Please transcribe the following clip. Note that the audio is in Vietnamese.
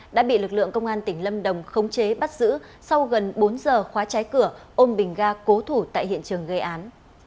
đã bị lực lượng công an tỉnh lâm đồng khống chế bắt giữ sau gần bốn giờ khóa trái cửa ôm bình ga cố thủ tại hiện trường gây án